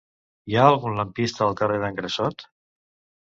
Hi ha algun lampista al carrer d'en Grassot?